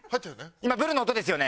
今ブルの音ですよね？